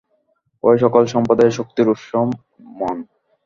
ঐ-সকল সম্প্রদায়ের শক্তির উৎস মন।